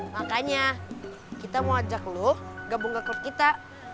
makanya kita mau ajak loh gabung ke klub kita